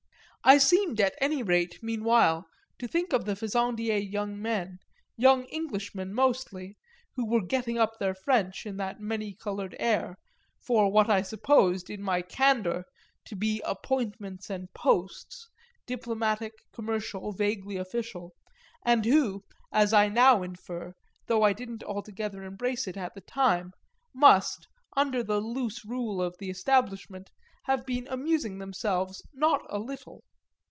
I seemed at any rate meanwhile to think of the Fezandié young men, young Englishmen mostly, who were getting up their French, in that many coloured air, for what I supposed, in my candour, to be appointments and "posts," diplomatic, commercial, vaguely official, and who, as I now infer, though I didn't altogether embrace it at the time, must, under the loose rule of the establishment, have been amusing themselves not a little.